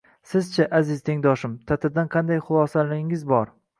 Siz-chi, aziz tengdoshim, ta’tildan qanday xulosalaringiz bor?